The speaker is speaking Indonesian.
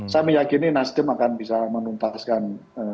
saya meyakini nasdem akan bisa menuntaskan